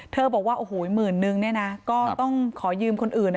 เธอบอกว่าโอ้โหหมื่นหนึ่งเนี่ยนะก็ต้องขอยืมคนอื่นอ่ะเนอะ